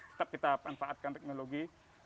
tetap kita menfaatkan teknologi